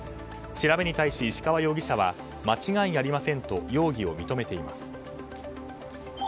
調べに対し、石川容疑者は間違いありませんと容疑を認めています。